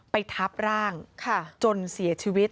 ทับร่างจนเสียชีวิต